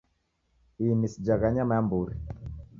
Ini sijagha nyama ya mburi